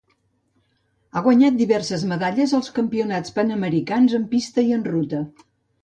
Ha guanyat diverses medalles als Campionats Panamericans en pista i en ruta.